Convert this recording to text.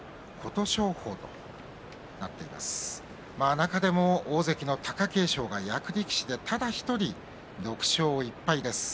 中でも大関の貴景勝が役力士でただ１人、６勝１敗です。